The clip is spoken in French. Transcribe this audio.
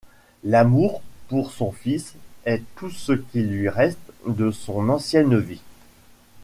L'amour pour son fils est tout ce qui lui reste de son ancienne vie.